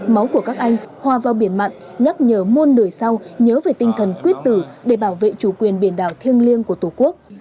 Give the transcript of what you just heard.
máu của các anh hòa vào biển mặn nhắc nhở muôn đời sau nhớ về tinh thần quyết tử để bảo vệ chủ quyền biển đảo thiêng liêng của tổ quốc